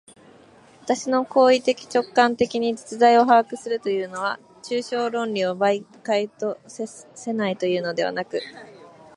私の行為的直観的に実在を把握するというのは、抽象論理を媒介とせないというのではなく、